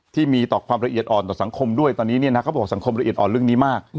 ที่มีต่อความละเอียดอ่อนต่อสังคมด้วยตอนนี้เนี่ยนะเขาบอกสังคมละเอียดอ่อนเรื่องนี้มาก